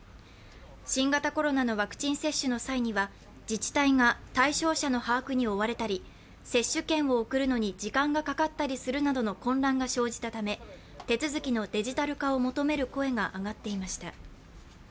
新型コロナのワクチン接種の際には自治体が対象者の把握に追われたり接種券を送るのに時間がかかったりするなどの混乱が生じたため手続きのデジタル化を求める声が上がっていました。